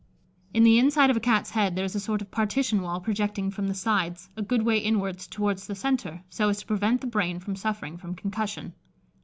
In the inside of a Cat's head there is a sort of partition wall projecting from the sides, a good way inwards, towards the centre, so as to prevent the brain from suffering from concussion.